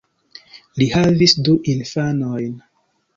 Li havis du infanojn.